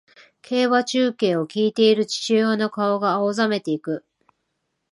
競馬中継を聞いている父親の顔が青ざめていく